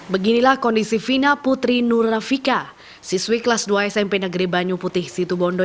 beginilah kondisi vina putri nur rafika siswi kelas dua smp negeri banyu putih situbondo